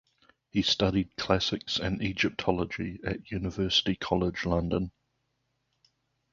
He studied classics and Egyptology at University College London.